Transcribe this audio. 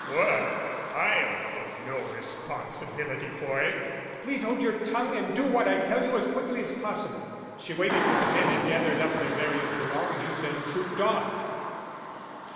"Well, I'll take no responsibility for it." "Please hold your tongue and do what I tell you as quickly as possible." She waited till the men had gathered up their various belongings and trooped off.